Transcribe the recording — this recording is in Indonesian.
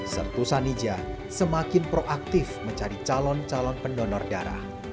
sertu sanija semakin proaktif mencari calon calon pendonor darah